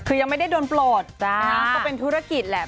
คือยังไม่ได้โดนปลดก็เป็นธุรกิจแหละ